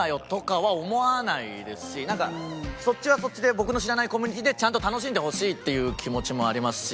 なんかそっちはそっちで僕の知らないコミュニティーでちゃんと楽しんでほしいっていう気持ちもありますし。